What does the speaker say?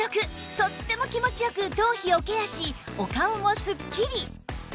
とっても気持ちよく頭皮をケアしお顔もスッキリ